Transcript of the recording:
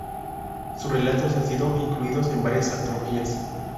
Sus relatos han sido incluidos en varias antologías.